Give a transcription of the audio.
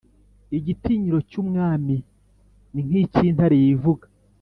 igitinyiro cy’umwami ni nk’icy’intare yivuga